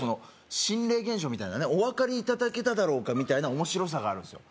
心霊現象みたいなねお分かりいただけただろうかみたいな面白さがあるんですよ